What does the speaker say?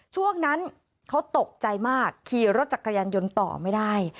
ช่วงนั้นเขาตกใจมากขี่รถจักรยานยนต์ต่อไม่ได้